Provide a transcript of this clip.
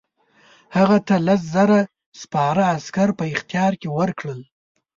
هغه ته لس زره سپاره عسکر په اختیار کې ورکړل.